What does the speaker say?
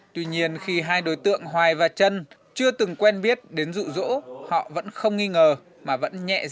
tuy nhiên khi hai đối tượng hoài và trân chưa từng quen biết đến rụ rỗ họ vẫn không nghi ngờ mà vẫn nhẹ dạ cả tiếng